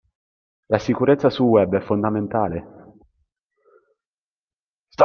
La sicurezza sul Web è fondamentale.